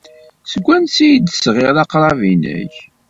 Seg wansi ay d-tesɣiḍ aqrab-nnek?